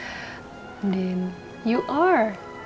andin kamu benar